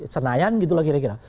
senayan gitu lah kira kira